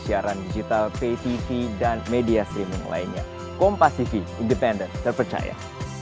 siaran digital ptv dan media streaming lainnya kompas tv independen terpercaya